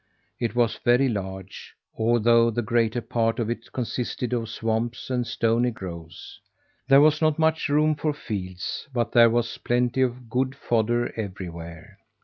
It was very large although the greater part of it consisted of swamps and stony groves. There was not much room for fields, but there was plenty of good fodder everywhere.